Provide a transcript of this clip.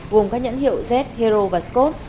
gồm các nhẫn hiệu z hero và scott